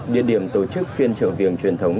địa điểm tổ chức phiên chợ viêng truyền thống